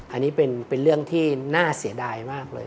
อันนี้เป็นเรื่องที่น่าเสียดายมากเลย